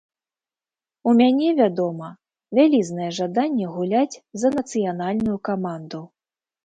У мяне, вядома, вялізнае жаданне гуляць за нацыянальную каманду.